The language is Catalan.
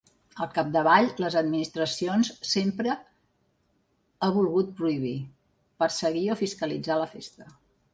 Al capdavall, les administracions sempre ha volgut prohibir, perseguir o fiscalitzar la festa.